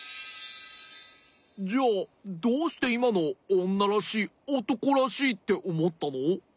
じゃあどうしていまのをおんならしいおとこらしいっておもったの？